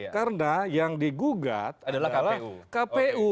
karena yang digugat adalah kpu